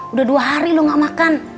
udah dua hari lo gak makan